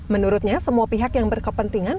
menurutnya semua pihak yang berkepentingan